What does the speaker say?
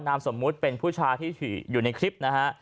นามสมมุติเป็นผู้ชายที่อยู่ในคลิปนะฮะ